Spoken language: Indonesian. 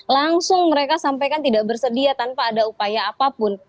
langsung mereka sampaikan tidak bersedia tanpa ada upaya apapun